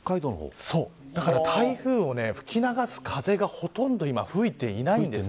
台風を吹き流す風がほとんど吹いていないんです。